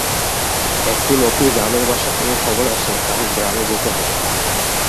একদিন অপির গ্রামের বাসা থেকে খবর আসে তাকে গ্রামে যেতে হবে।